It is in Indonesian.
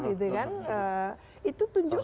itu kan itu tunjukkan